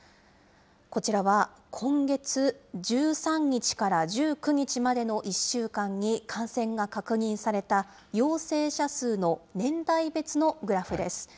こちらは今月１３日から１９日までの１週間に感染が確認された、陽性者数の年代別のグラフです。